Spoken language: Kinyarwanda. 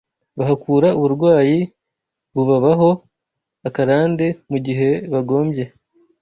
bahakura uburwayi bubabaho akarande mu gihe bagombye